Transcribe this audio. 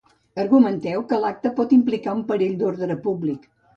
Argumenteu que l’acte pot implicar un perill d’ordre públic.